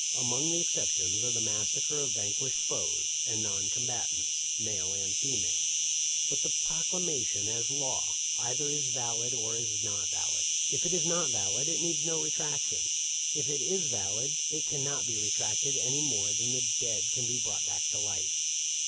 " Among the exceptions are the massacre of van quished foes and non combatants, male and female. THE LIFE OF LINCOLN. 5 5 3 " But the proclamation, as law, either is valid or is not valid. " If it is not valid, it needs no retraction. If it is valid, it cannot be retracted any more than the dead can be brought to life.